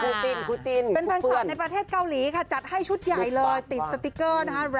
ครูจินเป็นแฟนคลับในประเทศเกาหลีค่ะจัดให้ชุดใหญ่เลยติดสติ๊กเกอร์นะคะ